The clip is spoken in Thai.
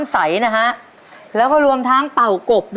ไม่ไหวครับ